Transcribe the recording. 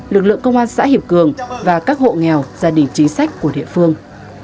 lực lượng công an xã hiệp cường và các hộ nghèo gia đình chính sách của địa phương